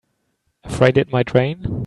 Afraid it might rain?